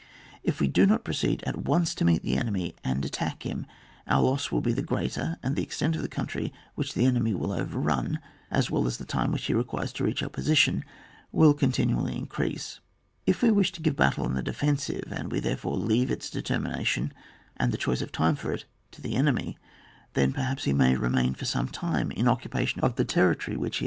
If we do not pro* ceed at once to meet the enemy and at tack him, our loss will be the greater, and the extent of the country which the enemy will overrun, as well as the time which he requires to reach our position, will continually increase. If we wish to give battle on the defensive, and we &erefore leave its determination and the choice of time for it to the enemy, then perhaps he may remain for some time in occupation of the territory which he OBAP. vm.] METHODS OF RESISTANCE.